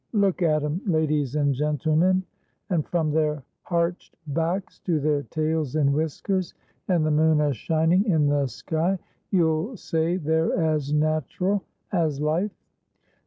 Look at 'em, ladies and gentlemen; and from their harched backs to their tails and whiskers, and the moon a shining in the sky, you'll say they're as natteral as life.